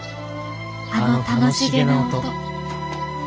あの楽しげな音。